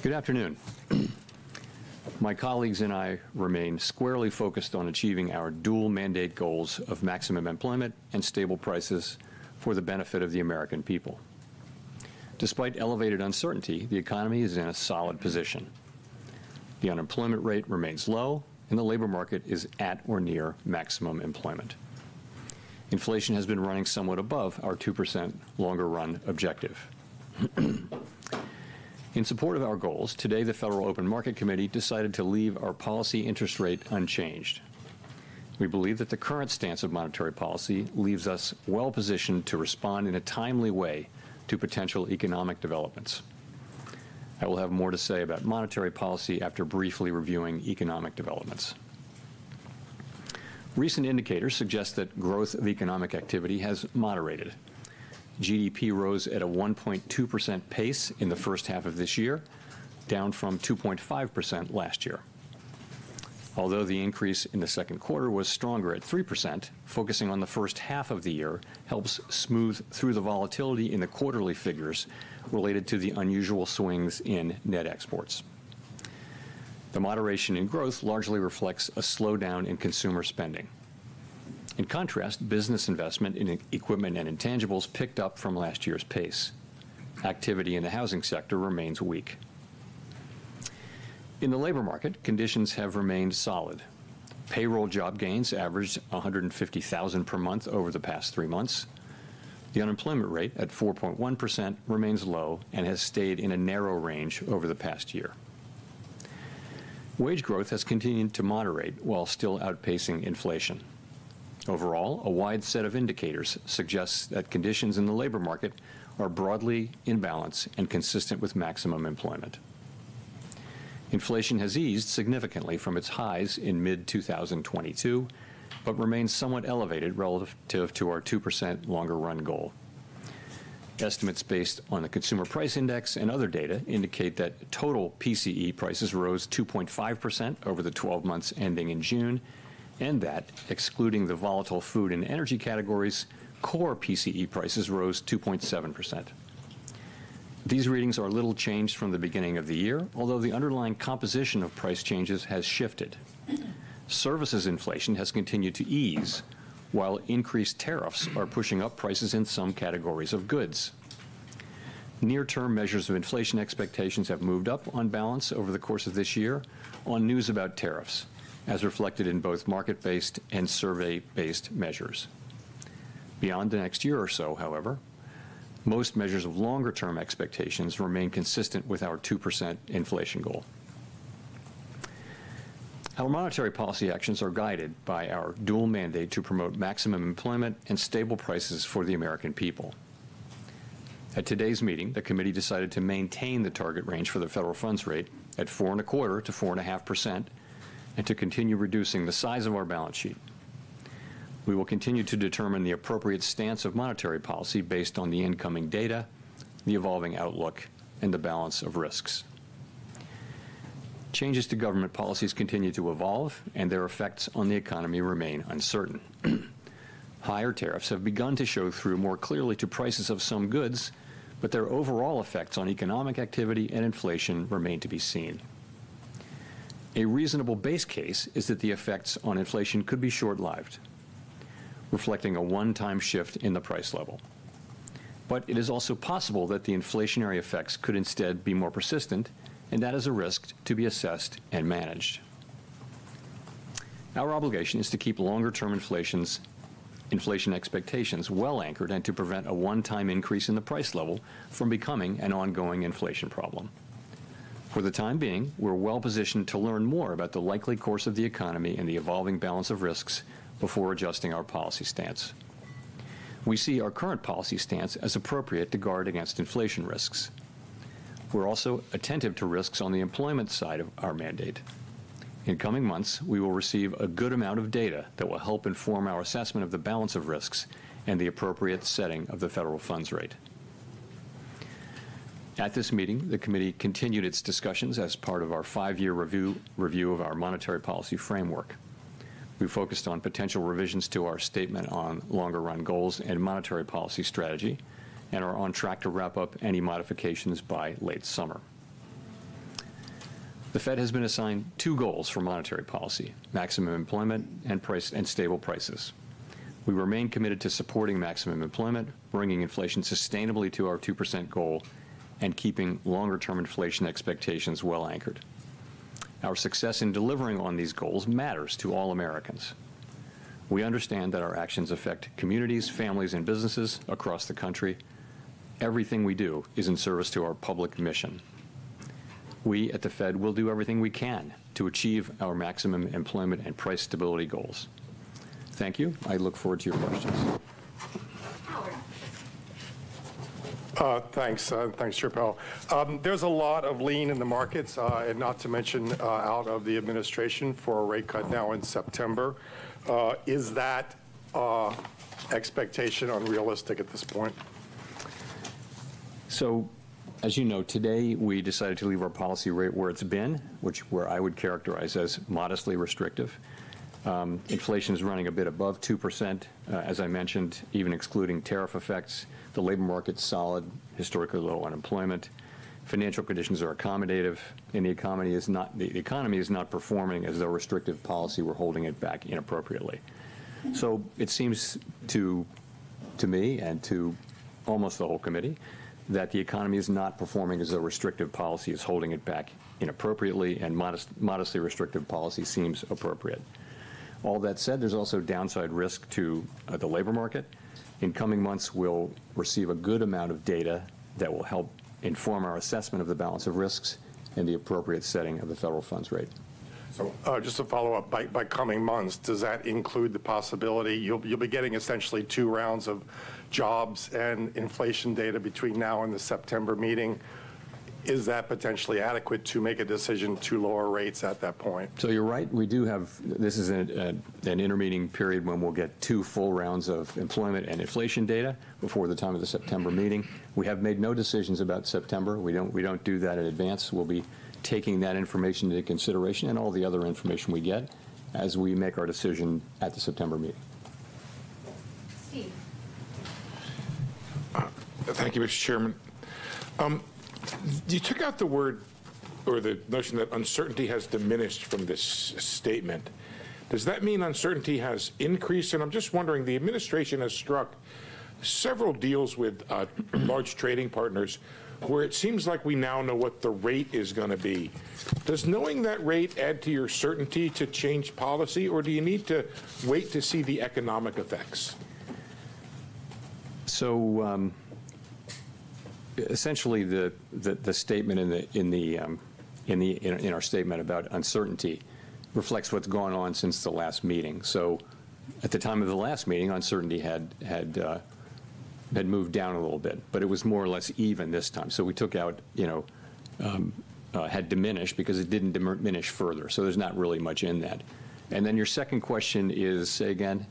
Good afternoon. My colleagues and I remain squarely focused on achieving our dual mandate goals of maximum employment and stable prices for the benefit of the American people. Despite elevated uncertainty, the economy is in a solid position. The unemployment rate remains low, and the labor market is at or near maximum employment. Inflation has been running somewhat above our 2% longer-run objective. In support of our goals, today the Federal Open Market Committee decided to leave our policy interest rate unchanged. We believe that the current stance of monetary policy leaves us well positioned to respond in a timely way to potential economic developments. I will have more to say about monetary policy after briefly reviewing economic developments. Recent indicators suggest that growth of economic activity has moderated. GDP rose at a 1.2% pace in the first half of this year, down from 2.5% last year. Although the increase in the second quarter was stronger at 3%, focusing on the first half of the year helps smooth through the volatility in the quarterly figures related to the unusual swings in net exports. The moderation in growth largely reflects a slowdown in consumer spending. In contrast, business investment in equipment and intangibles picked up from last year's pace. Activity in the housing sector remains weak. In the labor market, conditions have remained solid. Payroll job gains averaged 150,000 per month over the past three months. The unemployment rate at 4.1% remains low and has stayed in a narrow range over the past year. Wage growth has continued to moderate while still outpacing inflation. Overall, a wide set of indicators suggests that conditions in the labor market are broadly in balance and consistent with maximum employment. Inflation has eased significantly from its highs in mid-2022 but remains somewhat elevated relative to our 2% longer-run goal. Estimates based on the Consumer Price Index and other data indicate that total PCE prices rose 2.5% over the 12 months ending in June, and that, excluding the volatile food and energy categories, core PCE prices rose 2.7%. These readings are little changed from the beginning of the year, although the underlying composition of price changes has shifted. Services inflation has continued to ease, while increased tariffs are pushing up prices in some categories of goods. Near-term measures of inflation expectations have moved up on balance over the course of this year on news about tariffs, as reflected in both market-based and survey-based measures. Beyond the next year or so, however, most measures of longer-term expectations remain consistent with our 2% inflation goal. Our monetary policy actions are guided by our dual mandate to promote maximum employment and stable prices for the American people. At today's meeting, the Committee decided to maintain the target range for the federal funds rate at 4.25%-4.5% and to continue reducing the size of our balance sheet. We will continue to determine the appropriate stance of monetary policy based on the incoming data, the evolving outlook, and the balance of risks. Changes to government policies continue to evolve, and their effects on the economy remain uncertain. Higher tariffs have begun to show through more clearly to prices of some goods, but their overall effects on economic activity and inflation remain to be seen. A reasonable base case is that the effects on inflation could be short-lived, reflecting a one-time shift in the price level. It is also possible that the inflationary effects could instead be more persistent, and that is a risk to be assessed and managed. Our obligation is to keep longer-term inflation expectations well anchored and to prevent a one-time increase in the price level from becoming an ongoing inflation problem. For the time being, we are well positioned to learn more about the likely course of the economy and the evolving balance of risks before adjusting our policy stance. We see our current policy stance as appropriate to guard against inflation risks. We are also attentive to risks on the employment side of our mandate. In coming months, we will receive a good amount of data that will help inform our assessment of the balance of risks and the appropriate setting of the federal funds rate. At this meeting, the Committee continued its discussions as part of our five-year review of our monetary policy framework. We focused on potential revisions to our Statement on Longer-Run Goals and Monetary Policy Strategy and are on track to wrap up any modifications by late summer. The Federal Reserve has been assigned two goals for monetary policy: maximum employment and stable prices. We remain committed to supporting maximum employment, bringing inflation sustainably to our 2% goal, and keeping longer-term inflation expectations well anchored. Our success in delivering on these goals matters to all Americans. We understand that our actions affect communities, families, and businesses across the country. Everything we do is in service to our public mission. We at the Federal Reserve will do everything we can to achieve our maximum employment and price stability goals. Thank you. I look forward to your questions. Thanks, Chair Powell. There's a lot of lean in the markets, and not to mention out of the administration for a rate cut now in September. Is that expectation unrealistic at this point? As you know, today we decided to leave our policy rate where it's been, which I would characterize as modestly restrictive. Inflation is running a bit above 2%, as I mentioned, even excluding tariff effects. The labor market is solid, historically low unemployment. Financial conditions are accommodative, and the economy is not performing as a restrictive policy. We're holding it back inappropriately. It seems to me and to almost the whole Committee that the economy is not performing as a restrictive policy, is holding it back inappropriately, and modestly restrictive policy seems appropriate. All that said, there's also downside risk to the labor market. In coming months, we'll receive a good amount of data that will help inform our assessment of the balance of risks and the appropriate setting of the federal funds rate. Just to follow up, by coming months, does that include the possibility you'll be getting essentially two rounds of jobs and inflation data between now and the September meeting? Is that potentially adequate to make a decision to lower rates at that point? You're right. We do have this is an intervening period when we'll get two full rounds of employment and inflation data before the time of the September meeting. We have made no decisions about September. We don't do that in advance. We'll be taking that information into consideration and all the other information we get as we make our decision at the September meeting. Thank you, Mr. Chairman. You took out the word or the notion that uncertainty has diminished from this statement. Does that mean uncertainty has increased? I'm just wondering, the administration has struck several deals with large trading partners where it seems like we now know what the rate is going to be. Does knowing that rate add to your certainty to change policy, or do you need to wait to see the economic effects? Essentially, the statement in our statement about uncertainty reflects what's gone on since the last meeting. At the time of the last meeting, uncertainty had moved down a little bit, but it was more or less even this time. We took out, you know, had diminished because it didn't diminish further. There's not really much in that. Your second question is, say again?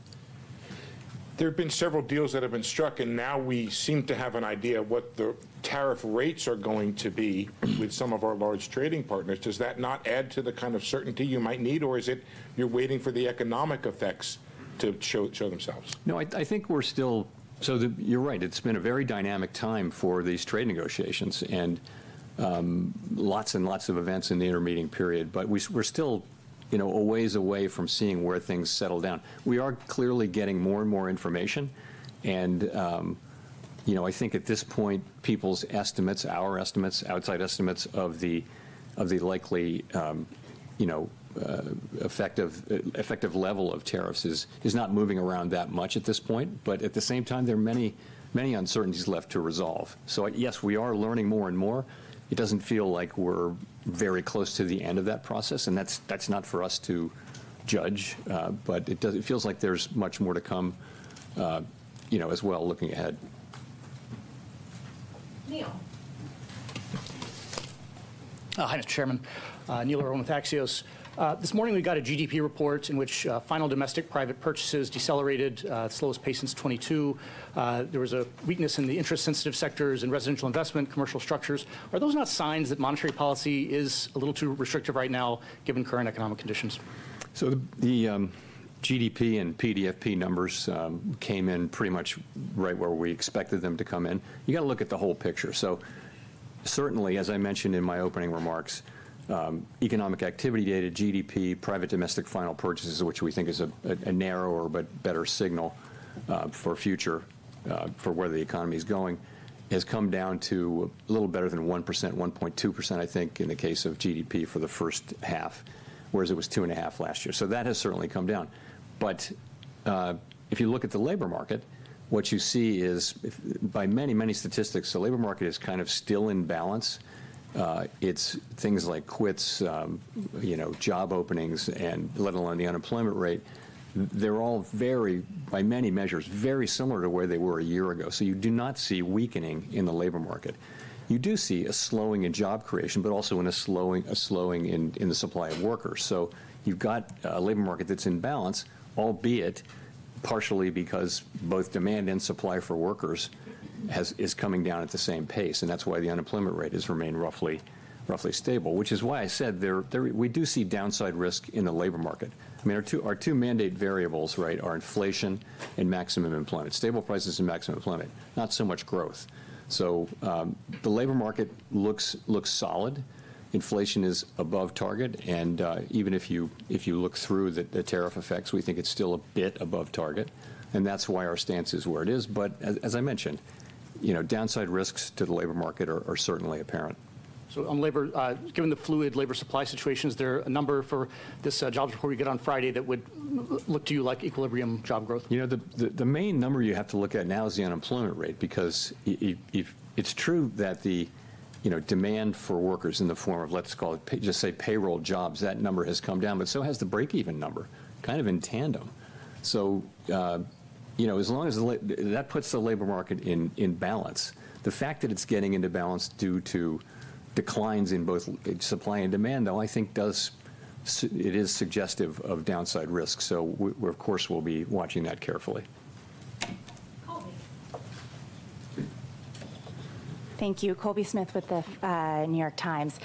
There have been several deals that have been struck, and now we seem to have an idea of what the tariff rates are going to be with some of our large trading partners. Does that not add to the kind of certainty you might need, or is it you're waiting for the economic effects to show themselves? No, I think we're still—you're right. It's been a very dynamic time for these trade negotiations and lots of events in the intervening period, but we're still a ways away from seeing where things settle down. We are clearly getting more and more information, and I think at this point, people's estimates, our estimates, outside estimates of the likely effective level of tariffs is not moving around that much at this point. At the same time, there are many uncertainties left to resolve. Yes, we are learning more and more. It doesn't feel like we're very close to the end of that process, and that's not for us to judge, but it feels like there's much more to come as well, looking ahead. Hi, Mr. Chairman. Neil Irwin in Axios. This morning we got a GDP report in which final domestic private purchases decelerated at the slowest pace since 2022. There was a weakness in the interest-sensitive sectors and residential investment, commercial structures. Are those not signs that monetary policy is a little too restrictive right now given current economic conditions? and private domestic final purchases numbers came in pretty much right where we expected them to come in. You have to look at the whole picture. As I mentioned in my opening remarks, economic activity data, GDP, private domestic final purchases, which we think is a narrower but better signal for where the economy is going, has come down to a little better than 1%, 1.2%, I think, in the case of GDP for the first half, whereas it was 2.5% last year. That has certainly come down. If you look at the labor market, what you see is by many, many statistics, the labor market is kind of still in balance. It's things like quits, job openings, and let alone the unemployment rate. They're all, by many measures, very similar to where they were a year ago. You do not see weakening in the labor market. You do see a slowing in job creation, but also a slowing in the supply of workers. You have a labor market that's in balance, albeit partially because both demand and supply for workers are coming down at the same pace, and that's why the unemployment rate has remained roughly stable, which is why I said we do see downside risk in the labor market. Our two mandate variables, right, are inflation and maximum employment, stable prices and maximum employment, not so much growth. The labor market looks solid. Inflation is above target, and even if you look through the tariff effects, we think it's still a bit above target, and that's why our stance is where it is. As I mentioned, downside risks to the labor market are certainly apparent. On labor, given the fluid labor supply situations, is there a number for this jobs report we get on Friday that would look to you like equilibrium job growth? The main number you have to look at now is the unemployment rate because it's true that the demand for workers in the form of, let's call it, just say payroll jobs, that number has come down, but so has the breakeven number, kind of in tandem. As long as that puts the labor market in balance, the fact that it's getting into balance due to declines in both supply and demand, I think it is suggestive of downside risk. We, of course, will be watching that carefully. Thank you. Smith with The New York Times.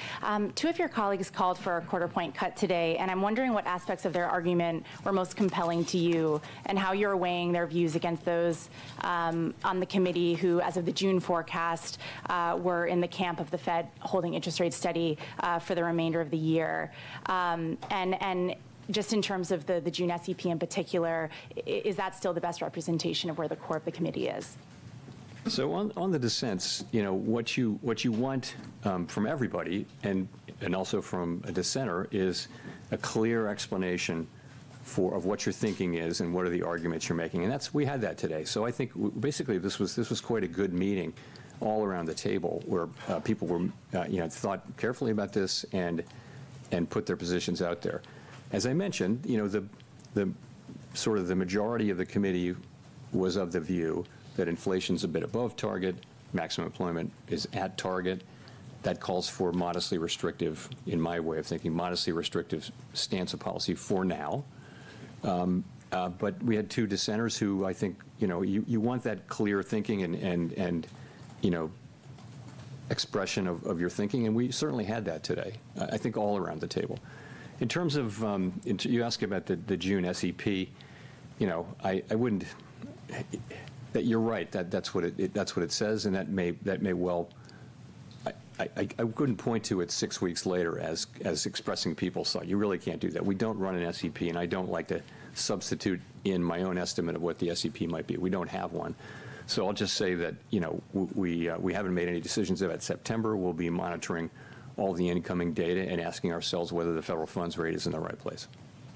Two of your colleagues called for a quarter-point cut today, and I'm wondering what aspects of their argument were most compelling to you, and how you're weighing their views against those on the Committee who, as of the June forecast, were in the camp of the Federal Reserve holding interest rates steady for the remainder of the year. In terms of the June SEP in particular, is that still the best representation of where the core of the Committee is? On the dissents, what you want from everybody and also from a dissenter is a clear explanation of what your thinking is and what are the arguments you're making, and we had that today. I think this was quite a good meeting all around the table where people thought carefully about this and put their positions out there. As I mentioned, the majority of the Committee was of the view that inflation is a bit above target, maximum employment is at target. That calls for a modestly restrictive, in my way of thinking, modestly restrictive stance of policy for now. We had two dissenters who, you know, you want that clear thinking and expression of your thinking, and we certainly had that today all around the table. In terms of, you ask about the June SEP, you're right, that's what it says, and that may well, I couldn't point to it six weeks later as expressing people saw it. You really can't do that. We don't run an SEP, and I don't like to substitute in my own estimate of what the SEP might be. We don't have one. I'll just say that we haven't made any decisions about September. We'll be monitoring all the incoming data and asking ourselves whether the federal funds rate is in the right place.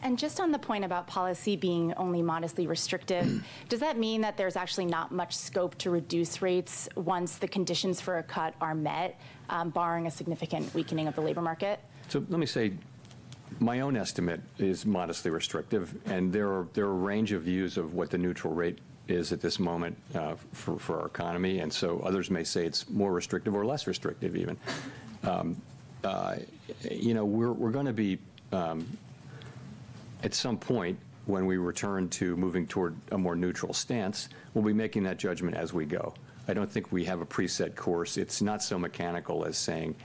On the point about policy being only modestly restrictive, does that mean that there's actually not much scope to reduce rates once the conditions for a cut are met, barring a significant weakening of the labor market? Let me say, my own estimate is modestly restrictive, and there are a range of views of what the neutral rate is at this moment for our economy, and others may say it's more restrictive or less restrictive even. You know, we're going to be, at some point, when we return to moving toward a more neutral stance, we'll be making that judgment as we go. I don't think we have a preset course. It's not so mechanical as saying,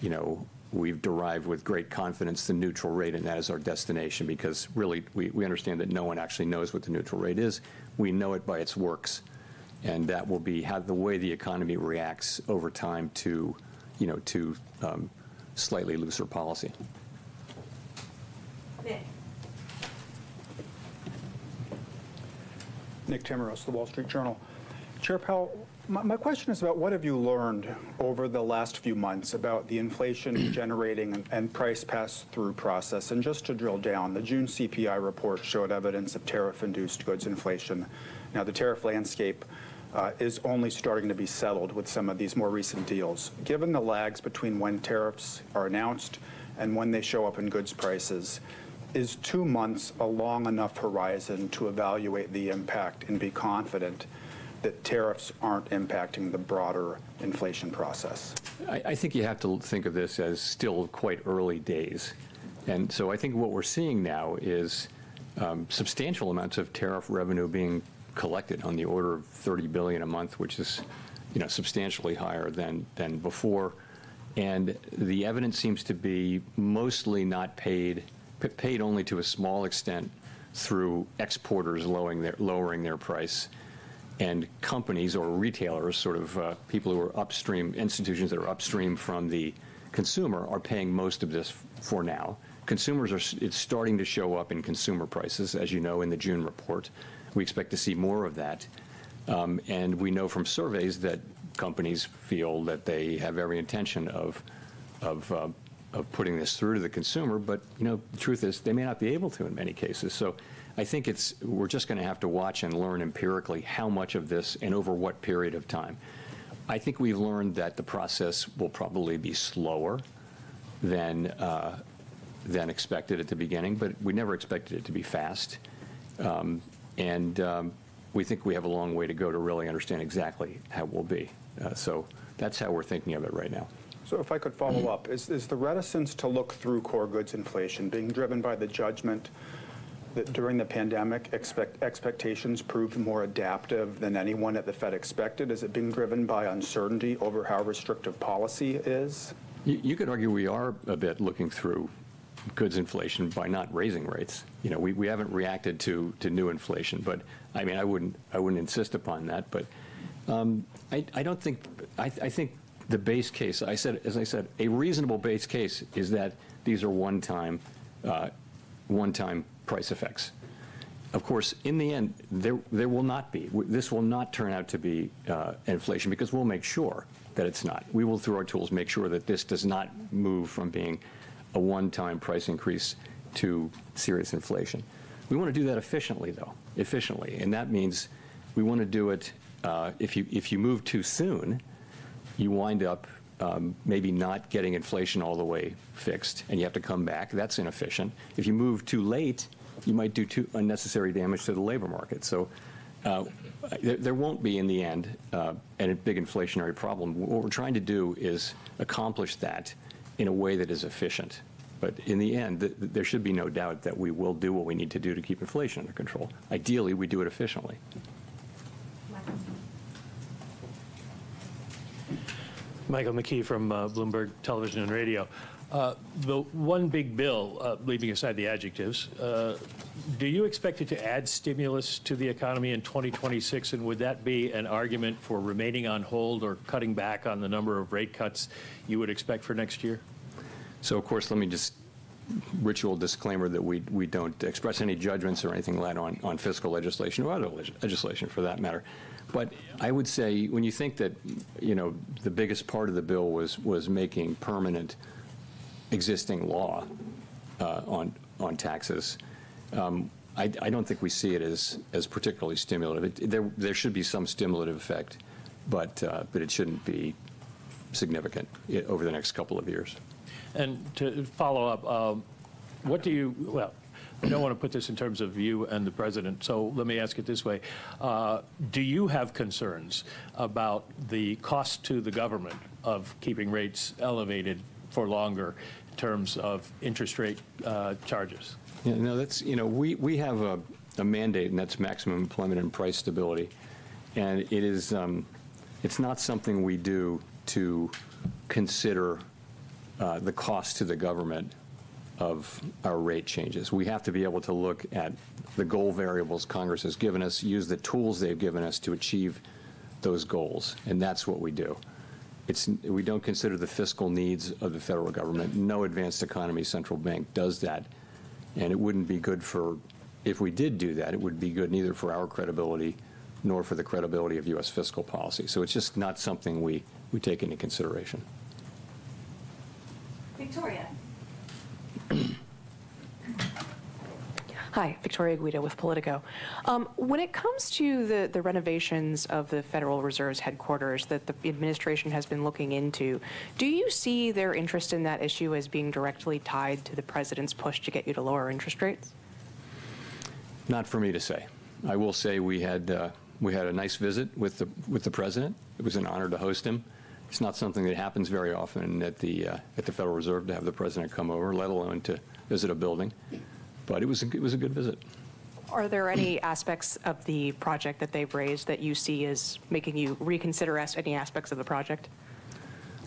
you know, we've derived with great confidence the neutral rate, and that is our destination because really we understand that no one actually knows what the neutral rate is. We know it by its works, and that will be the way the economy reacts over time to, you know, slightly looser policy. Nick Timiraos of the Wall Street Journal. Chair Powell, my question is about what have you learned over the last few months about the inflation-generating and price pass-through process? Just to drill down, the June CPI report showed evidence of tariff-induced goods inflation. The tariff landscape is only starting to be settled with some of these more recent deals. Given the lags between when tariffs are announced and when they show up in goods prices, is two months a long enough horizon to evaluate the impact and be confident that tariffs aren't impacting the broader inflation process? I think you have to think of this as still quite early days. I think what we're seeing now is substantial amounts of tariff revenue being collected on the order of $30 billion a month, which is, you know, substantially higher than before. The evidence seems to be mostly not paid, paid only to a small extent through exporters lowering their price, and companies or retailers, sort of people who are upstream, institutions that are upstream from the consumer, are paying most of this for now. Consumers are starting to show up in consumer prices, as you know, in the June report. We expect to see more of that. We know from surveys that companies feel that they have every intention of putting this through to the consumer, but, you know, the truth is they may not be able to in many cases. I think we're just going to have to watch and learn empirically how much of this and over what period of time. I think we've learned that the process will probably be slower than expected at the beginning. We never expected it to be fast. We think we have a long way to go to really understand exactly how it will be. That's how we're thinking of it right now. If I could follow up, is the reticence to look through core goods inflation being driven by the judgment that during the pandemic expectations proved more adaptive than anyone at the Federal Reserve expected? Is it being driven by uncertainty over how restrictive policy is? You could argue we are a bit looking through goods inflation by not raising rates. We haven't reacted to new inflation, but I mean, I wouldn't insist upon that. I don't think, I think the base case, as I said, a reasonable base case is that these are one-time price effects. Of course, in the end, this will not turn out to be inflation because we'll make sure that it's not. We will, through our tools, make sure that this does not move from being a one-time price increase to serious inflation. We want to do that efficiently, though. That means we want to do it, if you move too soon, you wind up maybe not getting inflation all the way fixed, and you have to come back. That's inefficient. If you move too late, you might do unnecessary damage to the labor market. There won't be, in the end, a big inflationary problem. What we're trying to do is accomplish that in a way that is efficient. In the end, there should be no doubt that we will do what we need to do to keep inflation under control. Ideally, we do it efficiently. Michael McKee from Bloomberg Television and Radio. The one big bill, leaving aside the adjectives, do you expect it to add stimulus to the economy in 2026, and would that be an argument for remaining on hold or cutting back on the number of rate cuts you would expect for next year? Of course, let me just ritual disclaimer that we don't express any judgments or anything led on fiscal legislation or other legislation for that matter. I would say when you think that, you know, the biggest part of the bill was making permanent existing law on taxes, I don't think we see it as particularly stimulative. There should be some stimulative effect, but it shouldn't be significant over the next couple of years. To follow up, what do you, I don't want to put this in terms of you and the President, so let me ask it this way. Do you have concerns about the cost to the government of keeping rates elevated for longer in terms of interest rate charges? Yeah, no, that's, you know, we have a mandate, and that's maximum employment and price stability. It's not something we do to consider the cost to the government of our rate changes. We have to be able to look at the goal variables Congress has given us, use the tools they've given us to achieve those goals, and that's what we do. We don't consider the fiscal needs of the federal government. No advanced economy central bank does that, and it wouldn't be good for, if we did do that, it wouldn't be good neither for our credibility nor for the credibility of U.S. fiscal policy. It's just not something we take into consideration. Victoria. Hi, Victoria Guida with Politico. When it comes to the renovations of the Federal Reserve's headquarters that the administration has been looking into, do you see their interest in that issue as being directly tied to the President's push to get you to lower interest rates? Not for me to say. I will say we had a nice visit with the President. It was an honor to host him. It's not something that happens very often at the Federal Reserve to have the President come over, let alone to visit a building. It was a good visit. Are there any aspects of the project that they've raised that you see as making you reconsider any aspects of the project?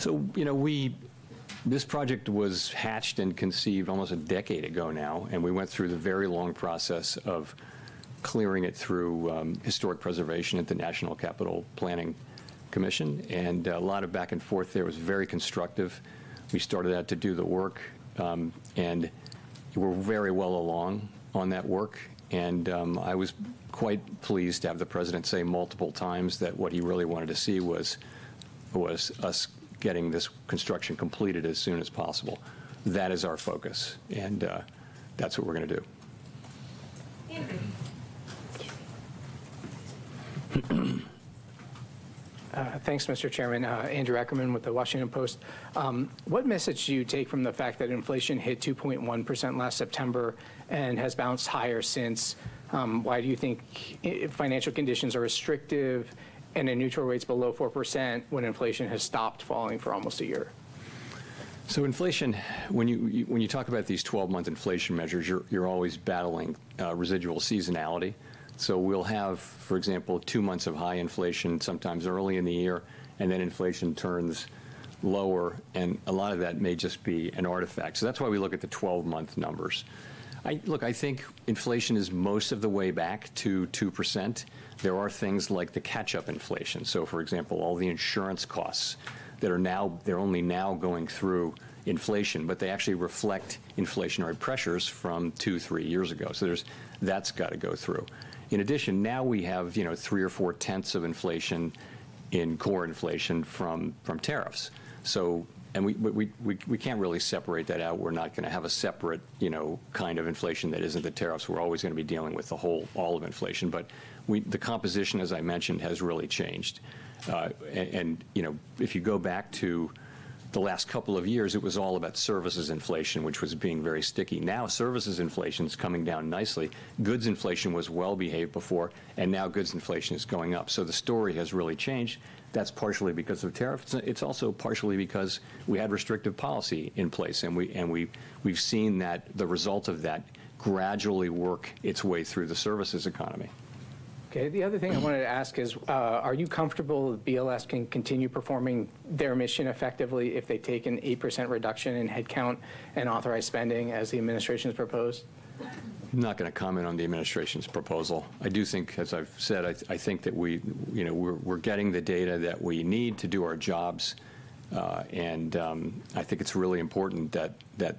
This project was hatched and conceived almost a decade ago now, and we went through the very long process of clearing it through historic preservation at the National Capital Planning Commission, with a lot of back and forth there. It was very constructive. We started out to do the work, and we're very well along on that work. I was quite pleased to have the President say multiple times that what he really wanted to see was us getting this construction completed as soon as possible. That is our focus, and that's what we're going to do. Thanks, Mr. Chairman. Andrew Ackerman with The Washington Post. What message do you take from the fact that inflation hit 2.1% last September and has bounced higher since? Why do you think financial conditions are restrictive and neutral rates below 4% when inflation has stopped falling for almost a year? Inflation, when you talk about these 12-month inflation measures, you're always battling residual seasonality. For example, we have two months of high inflation sometimes early in the year, and then inflation turns lower, and a lot of that may just be an artifact. That's why we look at the 12-month numbers. I think inflation is most of the way back to 2%. There are things like the catch-up inflation. For example, all the insurance costs that are now, they're only now going through inflation, but they actually reflect inflationary pressures from two or three years ago. That's got to go through. In addition, now we have three or four-tenths of inflation in core inflation from tariffs, and we can't really separate that out. We're not going to have a separate kind of inflation that isn't the tariffs. We're always going to be dealing with the whole, all of inflation. The composition, as I mentioned, has really changed. If you go back to the last couple of years, it was all about services inflation, which was being very sticky. Now services inflation is coming down nicely. Goods inflation was well-behaved before, and now goods inflation is going up. The story has really changed. That's partially because of tariffs. It's also partially because we had restrictive policy in place, and we've seen that the result of that gradually work its way through the services economy. Okay. The other thing I wanted to ask is, are you comfortable that BLS can continue performing their mission effectively if they take an 8% reduction in headcount and authorized spending as the administration has proposed? I'm not going to comment on the administration's proposal. I do think, as I've said, that we're getting the data that we need to do our jobs, and I think it's really important that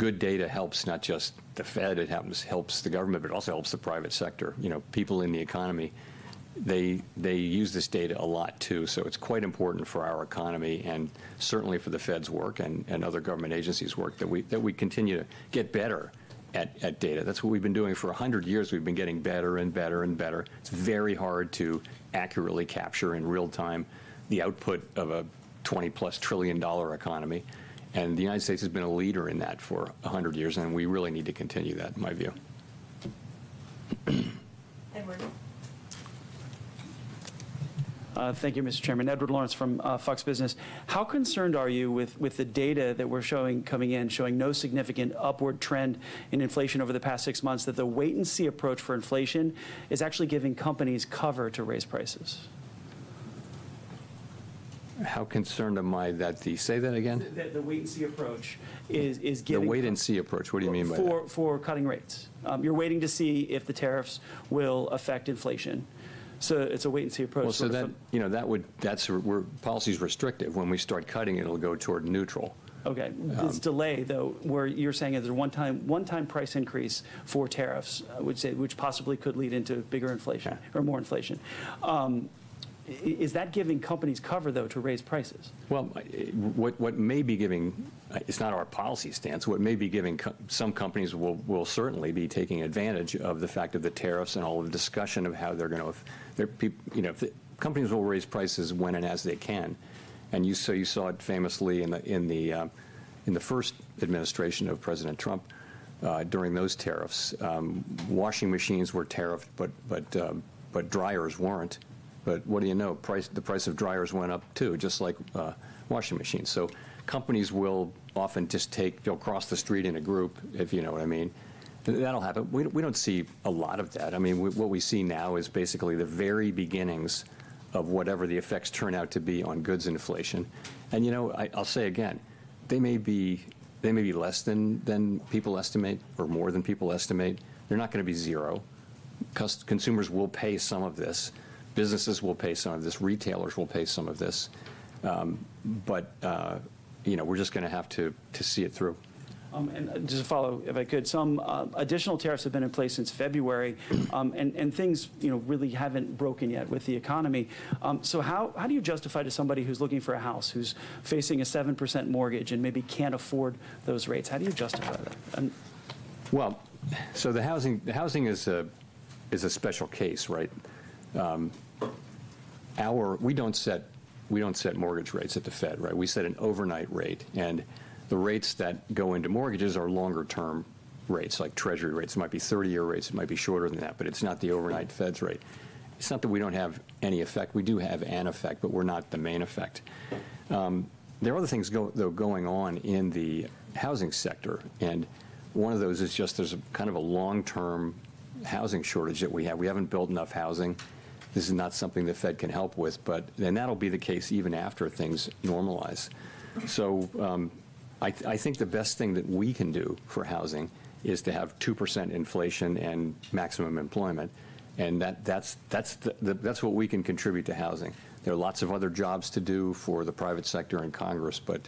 good data helps not just the Federal Reserve, it helps the government, but it also helps the private sector. People in the economy use this data a lot too. It is quite important for our economy and certainly for the Federal Reserve's work and other government agencies' work that we continue to get better at data. That's what we've been doing for 100 years. We've been getting better and better and better. It's very hard to accurately capture in real time the output of a $20+ trillion economy. The United States has been a leader in that for 100 years, and we really need to continue that, in my view. Thank you, Mr. Chairman. Edward Lawrence from Fox Business. How concerned are you with the data that we're showing coming in, showing no significant upward trend in inflation over the past six months, that the wait-and-see approach for inflation is actually giving companies cover to raise prices? How concerned am I that, say that again? that inflation is moving sustainably toward the 2% target. The wait-and-see approach, what do you mean by that? For cutting rates, you're waiting to see if the tariffs will affect inflation. It's a wait-and-see approach. That would, that's where policy is restrictive. When we start cutting, it'll go toward neutral. Okay. This delay, though, where you're saying is a one-time price increase for tariffs, which possibly could lead into bigger inflation or more inflation, is that giving companies cover, though, to raise prices? It is not our policy stance. What may be giving, some companies will certainly be taking advantage of the fact of the tariffs and all of the discussion of how they're going to, you know, if companies will raise prices when and as they can. You saw it famously in the first administration of President Trump during those tariffs. Washing machines were tariffed, but dryers were not. What do you know? The price of dryers went up too, just like washing machines. Companies will often just take, they'll cross the street in a group, if you know what I mean. That will happen. We do not see a lot of that. What we see now is basically the very beginnings of whatever the effects turn out to be on goods inflation. I'll say again, they may be less than people estimate or more than people estimate. They are not going to be zero, because consumers will pay some of this. Businesses will pay some of this. Retailers will pay some of this. We are just going to have to see it through. Just to follow, if I could, some additional tariffs have been in place since February, and things really haven't broken yet with the economy. How do you justify to somebody who's looking for a house, who's facing a 7% mortgage and maybe can't afford those rates? How do you justify that? The housing is a special case, right? We don't set mortgage rates at the Federal Reserve, right? We set an overnight rate, and the rates that go into mortgages are longer-term rates, like Treasury rates. It might be 30-year rates. It might be shorter than that, but it's not the overnight Federal Reserve's rate. It's not that we don't have any effect. We do have an effect, but we're not the main effect. There are other things, though, going on in the housing sector, and one of those is just there's kind of a long-term housing shortage that we have. We haven't built enough housing. This is not something the Federal Reserve can help with, but that will be the case even after things normalize. I think the best thing that we can do for housing is to have 2% inflation and maximum employment, and that's what we can contribute to housing. There are lots of other jobs to do for the private sector and Congress, but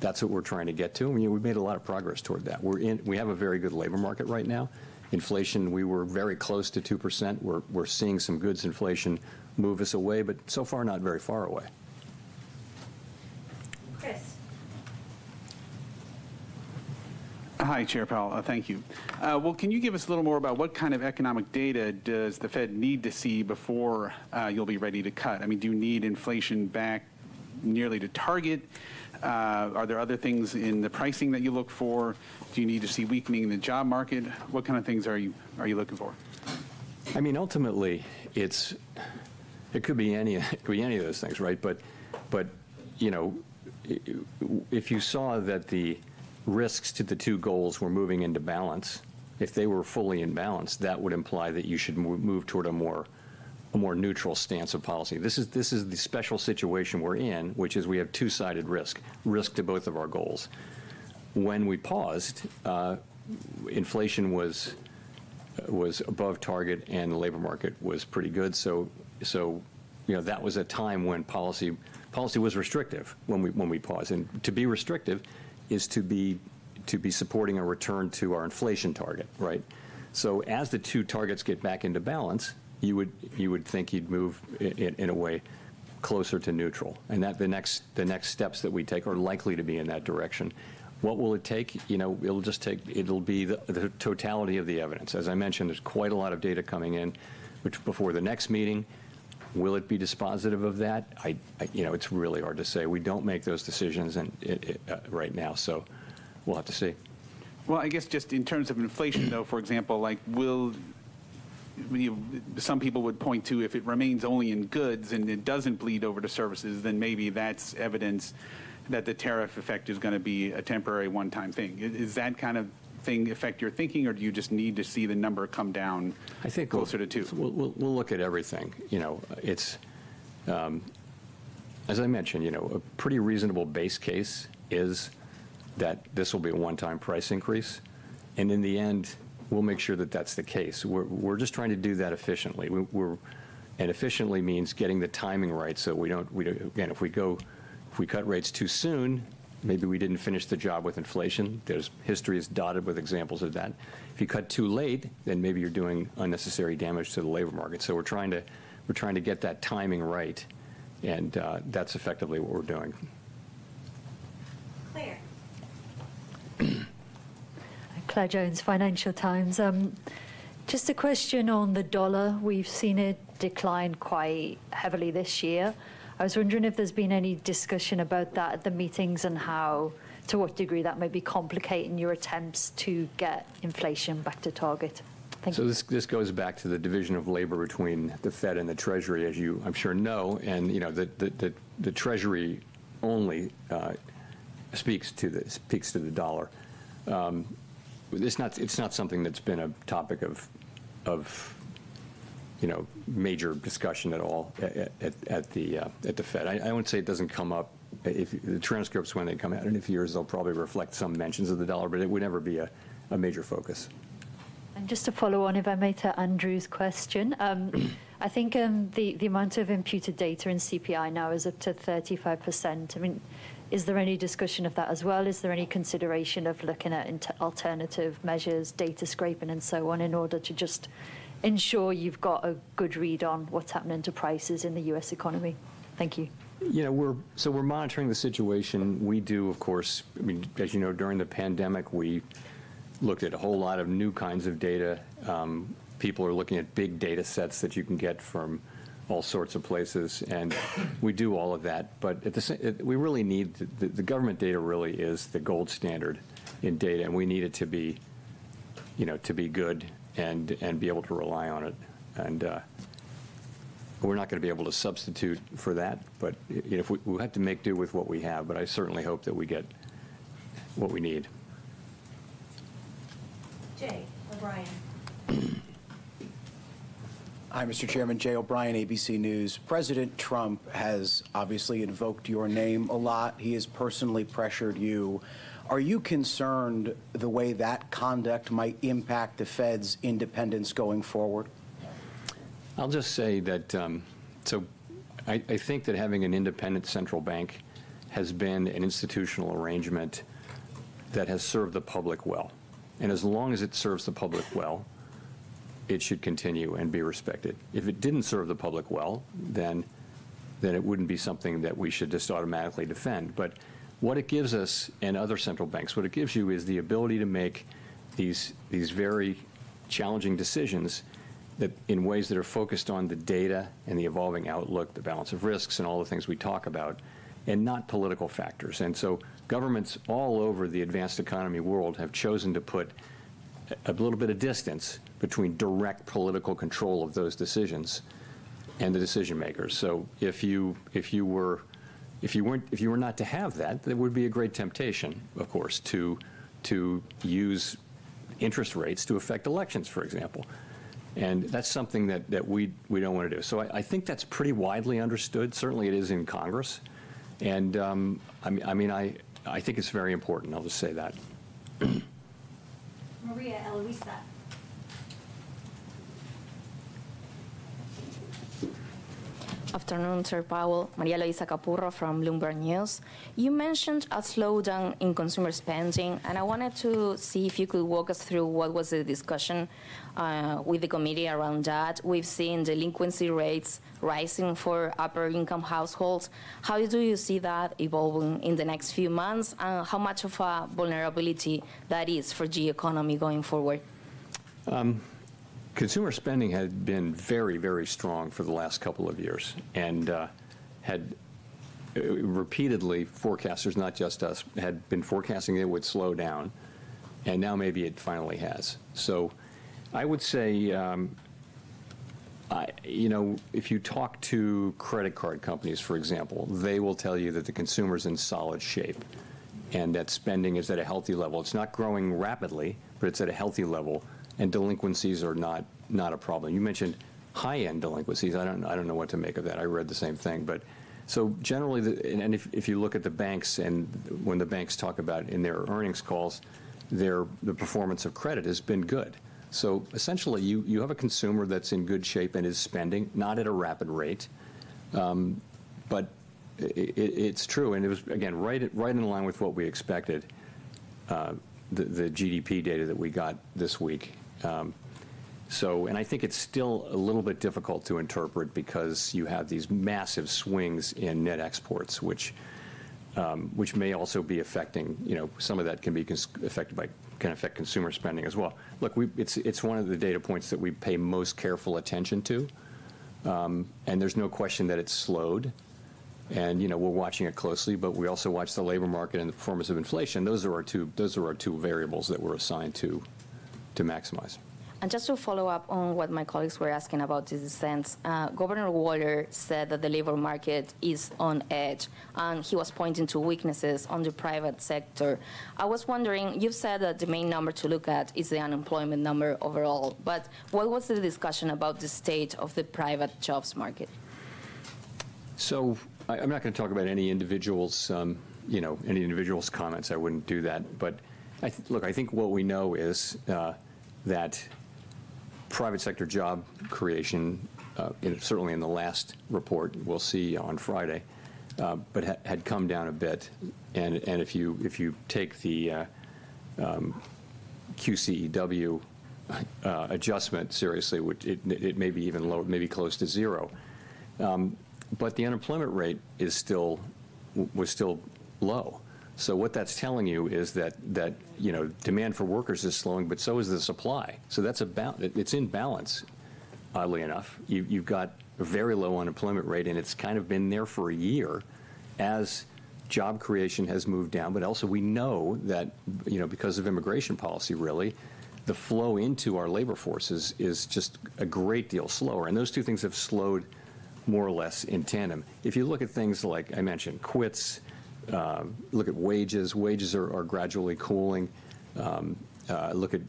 that's what we're trying to get to. We made a lot of progress toward that. We have a very good labor market right now. Inflation, we were very close to 2%. We're seeing some goods inflation move us away, but so far not very far away. Chris. Hi, Chair Powell. Thank you. Can you give us a little more about what kind of economic data does the Fed need to see before you'll be ready to cut? I mean, do you need inflation back nearly to target? Are there other things in the pricing that you look for? Do you need to see weakening in the job market? What kind of things are you looking for? Ultimately, it could be any of those things, right? If you saw that the risks to the two goals were moving into balance, if they were fully in balance, that would imply that you should move toward a more neutral stance of policy. This is the special situation we're in, which is we have two-sided risk, risk to both of our goals. When we paused, inflation was above target and the labor market was pretty good. That was a time when policy was restrictive when we paused. To be restrictive is to be supporting a return to our inflation target, right? As the two targets get back into balance, you would think you'd move in a way closer to neutral, and the next steps that we take are likely to be in that direction. What will it take? It'll be the totality of the evidence. As I mentioned, there's quite a lot of data coming in before the next meeting. Will it be dispositive of that? It's really hard to say. We don't make those decisions right now, so we'll have to see. In terms of inflation, for example, some people would point to if it remains only in goods and it doesn't bleed over to services, then maybe that's evidence that the tariff effect is going to be a temporary one-time thing. Is that kind of thing affect your thinking, or do you just need to see the number come down closer to 2%? We'll look at everything. As I mentioned, a pretty reasonable base case is that this will be a one-time price increase. In the end, we'll make sure that that's the case. We're just trying to do that efficiently. Efficiently means getting the timing right so that we don't, if we cut rates too soon, maybe we didn't finish the job with inflation. History is dotted with examples of that. If you cut too late, then maybe you're doing unnecessary damage to the labor market. We're trying to get that timing right, and that's effectively what we're doing. Claire Jones, Financial Times. Just a question on the dollar. We've seen it decline quite heavily this year. I was wondering if there's been any discussion about that at the meetings, and to what degree that might be complicating your attempts to get inflation back to target. This goes back to the division of labor between the Fed and the Treasury, as you, I'm sure, know. The Treasury only speaks to the dollar. It's not something that's been a topic of major discussion at all at the Fed. I won't say it doesn't come up. The transcripts when they come out in a few years will probably reflect some mentions of the dollar, but it would never be a major focus. To follow on, if I may, to Andrew's question, I think the amount of imputed data in CPI now is up to 35%. Is there any discussion of that as well? Is there any consideration of looking at alternative measures, data scraping, and so on in order to ensure you've got a good read on what's happening to prices in the U.S. economy? Thank you. Yeah, so we're monitoring the situation. Of course, as you know, during the pandemic, we looked at a whole lot of new kinds of data. People are looking at big datasets that you can get from all sorts of places, and we do all of that. At the same time, we really need the government data. It really is the gold standard in data, and we need it to be good and be able to rely on it. We're not going to be able to substitute for that. We'll have to make do with what we have, but I certainly hope that we get what we need. Jay O'Brien. Hi, Mr. Chairman. Jay O'Brien, ABC News. President Trump has obviously invoked your name a lot. He has personally pressured you. Are you concerned the way that conduct might impact the Fed's independence going forward? I think that having an independent central bank has been an institutional arrangement that has served the public well. As long as it serves the public well, it should continue and be respected. If it didn't serve the public well, then it wouldn't be something that we should just automatically defend. What it gives us and other central banks is the ability to make these very challenging decisions in ways that are focused on the data and the evolving outlook, the balance of risks, and all the things we talk about, not political factors. Governments all over the advanced economy world have chosen to put a little bit of distance between direct political control of those decisions and the decision makers. If you were not to have that, there would be a great temptation, of course, to use interest rates to affect elections, for example. That's something that we don't want to do. I think that's pretty widely understood. Certainly, it is in Congress. I think it's very important. I'll just say that. Maria-Eloisa. Afternoon, Chair Powell. Maria-Eloisa Capurro from Bloomberg News. You mentioned a slowdown in consumer spending, and I wanted to see if you could walk us through what was the discussion with the committee around that. We've seen delinquency rates rising for upper-income households. How do you see that evolving in the next few months, and how much of a vulnerability that is for the economy going forward? Consumer spending had been very, very strong for the last couple of years and had repeatedly, forecasters, not just us, had been forecasting it would slow down. Now maybe it finally has. I would say, you know, if you talk to credit card companies, for example, they will tell you that the consumer is in solid shape and that spending is at a healthy level. It's not growing rapidly, but it's at a healthy level, and delinquencies are not a problem. You mentioned high-end delinquencies. I don't know what to make of that. I read the same thing. Generally, if you look at the banks and when the banks talk about in their earnings calls, the performance of credit has been good. Essentially, you have a consumer that's in good shape and is spending, not at a rapid rate. It's true, and it was, again, right in line with what we expected, the GDP data that we got this week. I think it's still a little bit difficult to interpret because you have these massive swings in net exports, which may also be affecting, you know, some of that can be affected by, can affect consumer spending as well. Look, it's one of the data points that we pay most careful attention to, and there's no question that it's slowed. We're watching it closely, but we also watch the labor market and the performance of inflation. Those are our two variables that we're assigned to maximize. To follow up on what my colleagues were asking about this sense, Governor Waller said that the labor market is on edge, and he was pointing to weaknesses on the private sector. I was wondering, you've said that the main number to look at is the unemployment number overall, but what was the discussion about the state of the private jobs market? I'm not going to talk about any individual's comments. I wouldn't do that. I think what we know is that private sector job creation, certainly in the last report, we'll see on Friday, had come down a bit. If you take the QCEW adjustment seriously, it may be even low, maybe close to zero. The unemployment rate was still low. What that's telling you is that demand for workers is slowing, but so is the supply. That's about, it's in balance, oddly enough. You've got a very low unemployment rate, and it's kind of been there for a year as job creation has moved down. We know that because of immigration policy, really, the flow into our labor force is just a great deal slower. Those two things have slowed more or less in tandem. If you look at things like I mentioned, quits, look at wages, wages are gradually cooling. Look at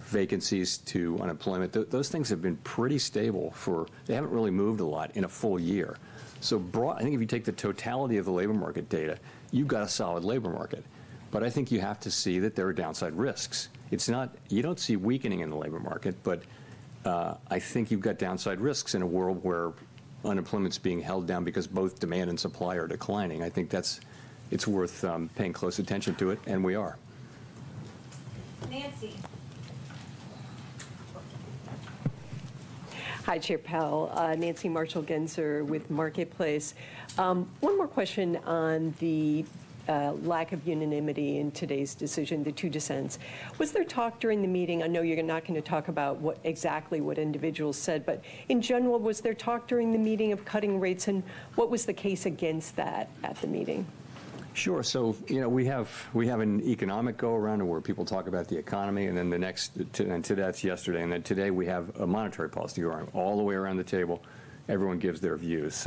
vacancies to unemployment. Those things have been pretty stable for, they haven't really moved a lot in a full year. I think if you take the totality of the labor market data, you've got a solid labor market. I think you have to see that there are downside risks. You don't see weakening in the labor market, but I think you've got downside risks in a world where unemployment's being held down because both demand and supply are declining. I think it's worth paying close attention to it, and we are. Nancy. Hi, Chair Powell. Nancy Marshall-Genzer with Marketplace. One more question on the lack of unanimity in today's decision, the two dissents. Was there talk during the meeting? I know you're not going to talk about exactly what individuals said, but in general, was there talk during the meeting of cutting rates, and what was the case against that at the meeting? Sure. We have an economic go-around where people talk about the economy, and then the next, and today that's yesterday, and then today we have a monetary policy go-around all the way around the table. Everyone gives their views.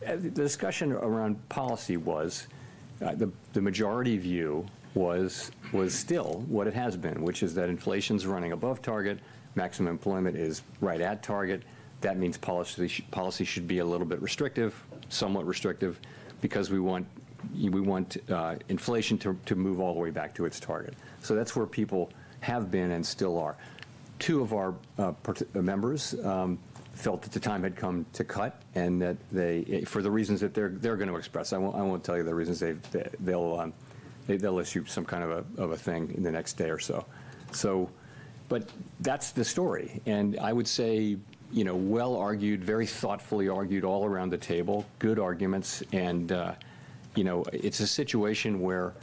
The discussion around policy was, the majority view was still what it has been, which is that inflation's running above target, maximum employment is right at target. That means policy should be a little bit restrictive, somewhat restrictive, because we want inflation to move all the way back to its target. That's where people have been and still are. Two of our members felt that the time had come to cut and that they, for the reasons that they're going to express, I won't tell you the reasons they'll issue some kind of a thing in the next day or so. That's the story. I would say, well-argued, very thoughtfully argued all around the table, good arguments, and it's a situation where,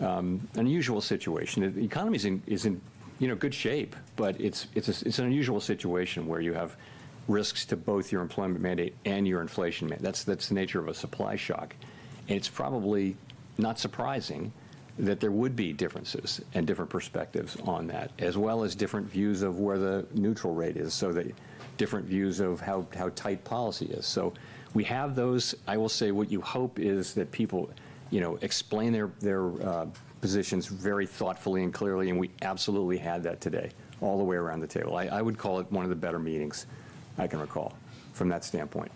an unusual situation, the economy is in good shape, but it's an unusual situation where you have risks to both your employment mandate and your inflation mandate. That's the nature of a supply shock. It's probably not surprising that there would be differences and different perspectives on that, as well as different views of where the neutral rate is, so the different views of how tight policy is. We have those. I will say what you hope is that people explain their positions very thoughtfully and clearly, and we absolutely had that today all the way around the table. I would call it one of the better meetings I can recall from that standpoint.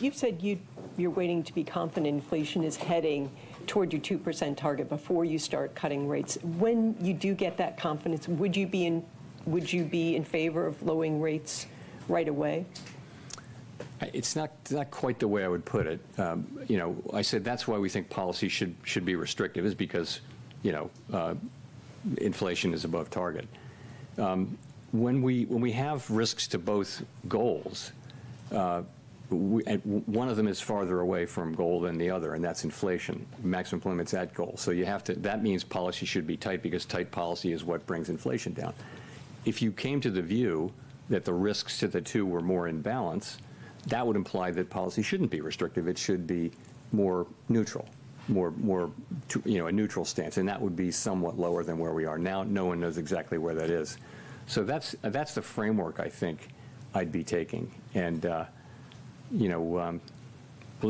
You've said you're waiting to be confident inflation is heading toward your 2% target before you start cutting rates. When you do get that confidence, would you be in favor of lowering rates right away? It's not quite the way I would put it. I said that's why we think policy should be restrictive, because inflation is above target. When we have risks to both goals, one of them is farther away from goal than the other, and that's inflation. Maximum employment's at goal. That means policy should be tight because tight policy is what brings inflation down. If you came to the view that the risks to the two were more in balance, that would imply that policy shouldn't be restrictive. It should be more neutral, a neutral stance, and that would be somewhat lower than where we are. No one knows exactly where that is. That's the framework I think I'd be taking. We'll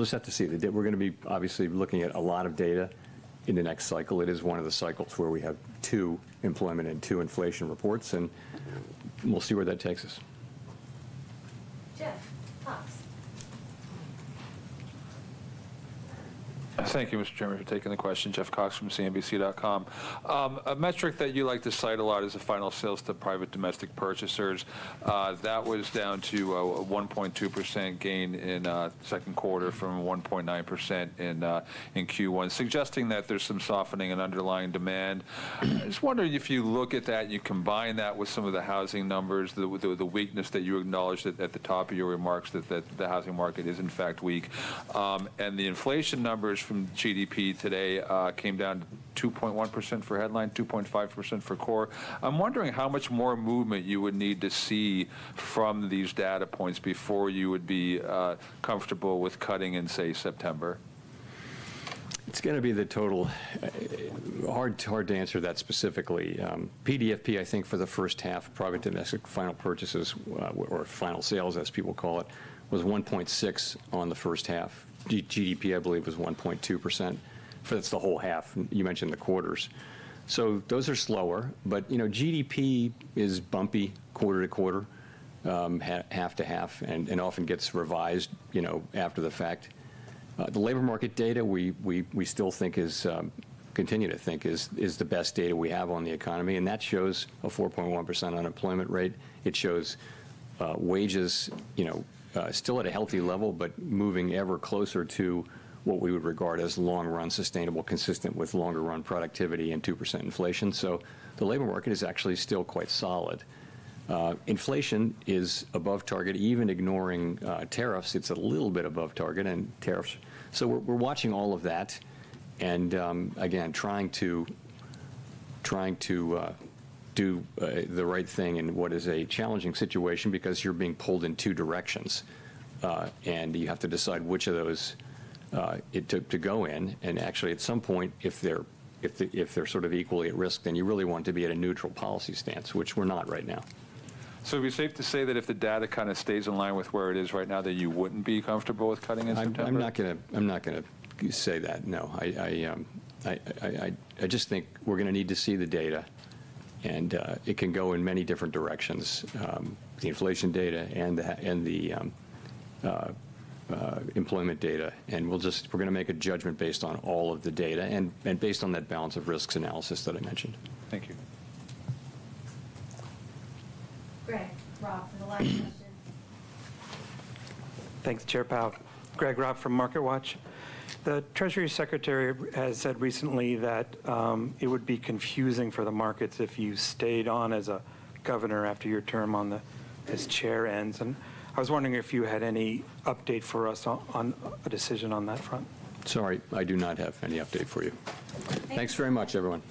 just have to see. We're going to be obviously looking at a lot of data in the next cycle. It is one of the cycles where we have two employment and two inflation reports, and we'll see where that takes us. Cox. Thank you, Mr. Chairman, for taking the question. Jeff Cox from cnbc.com. A metric that you like to cite a lot is the final sales to private domestic purchasers. That was down to a 1.2% gain in the second quarter from 1.9% in Q1, suggesting that there's some softening in underlying demand. I just wonder if you look at that, you combine that with some of the housing numbers, the weakness that you acknowledged at the top of your remarks, that the housing market is in fact weak. The inflation numbers from GDP today came down 2.1% for headline, 2.5% for core. I'm wondering how much more movement you would need to see from these data points before you would be comfortable with cutting in, say, September? It's going to be the total, hard to answer that specifically. PDFP, I think, for the first half, private domestic final purchases or final sales, as people call it, was 1.6% on the first half. GDP, I believe, was 1.2% for the whole half. You mentioned the quarters. Those are slower, but, you know, GDP is bumpy quarter to quarter, half to half, and often gets revised after the fact. The labor market data we still think is, continue to think is the best data we have on the economy, and that shows a 4.1% unemployment rate. It shows wages, you know, still at a healthy level, but moving ever closer to what we would regard as long-run sustainable, consistent with longer-run productivity and 2% inflation. The labor market is actually still quite solid. Inflation is above target, even ignoring tariffs. It's a little bit above target and tariffs. We're watching all of that and, again, trying to do the right thing in what is a challenging situation because you're being pulled in two directions, and you have to decide which of those to go in. Actually, at some point, if they're sort of equally at risk, then you really want to be at a neutral policy stance, which we're not right now. Would it be safe to say that if the data kind of stays in line with where it is right now, that you wouldn't be comfortable with cutting at some time? I'm not going to say that, no. I just think we're going to need to see the data, and it can go in many different directions, the inflation data and the employment data. We're going to make a judgment based on all of the data and based on that balance of risks analysis that I mentioned. Thank you. Greg Robb from MarketWatch. Thanks, Chair Powell. Greg Robb from MarketWatch. The Treasury Secretary has said recently that it would be confusing for the markets if you stayed on as a Governor after your term on the Chair ends. I was wondering if you had any update for us on a decision on that front. Sorry, I do not have any update for you. Thanks very much, everyone.